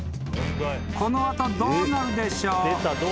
［この後どうなるでしょう？］